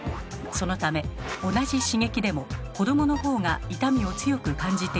そのため同じ刺激でも子どものほうが痛みを強く感じているのです。